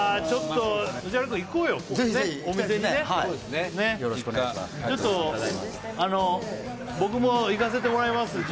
ちょっとあの僕も行かせてもらいます